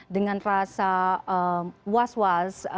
dengan rasa was was